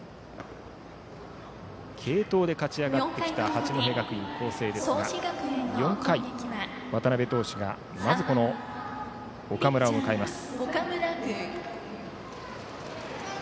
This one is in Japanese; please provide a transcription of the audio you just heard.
継投で勝ち上がってきた八戸学院光星ですが４回、渡部投手がまず岡村を迎えます。